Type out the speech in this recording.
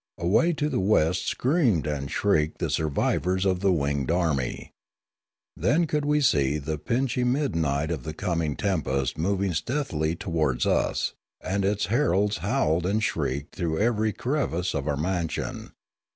Away to the west screamed and shrieked the survivors of the winged army. Then could we see the pitchy midnight of the coming tempest moving stealthily towards us; and its heralds howled and shrieked through every crevice of our mansion.